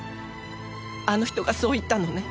あの人がそう言ったのね？